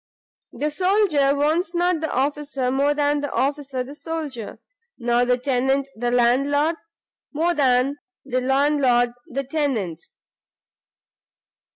The soldier wants not the officer more than the officer the soldier, nor the tenant the landlord, more than the landlord the tenant.